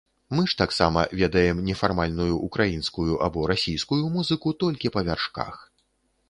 Мы ж таксама ведаем нефармальную ўкраінскую або расійскую музыку толькі па вяршках.